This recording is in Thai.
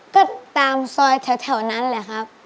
ก็ตามซอยแถวนั้นแหละครับ